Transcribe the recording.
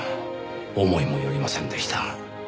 思いもよりませんでした。